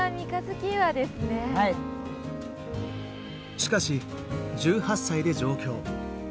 しかし１８歳で上京。